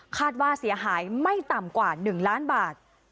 คาดว่าเสียหายไม่ต่ำกว่า๑ล้านบาท